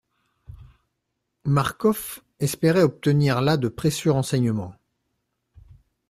Marcof espérait obtenir là de précieux renseignements.